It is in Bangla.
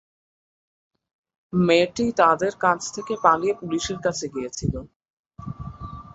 মেয়েটি তাদের কাছ থেকে পালিয়ে পুলিশের কাছে গিয়েছিল।